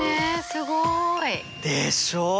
すごい！でしょ？